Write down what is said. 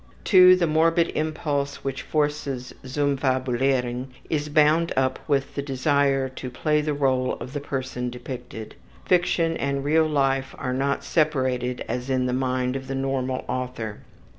2. The morbid impulse which forces ``zum fabulieren'' is bound up with the desire to play the role of the person depicted. Fiction and real life are not separated as in the mind of the normal author.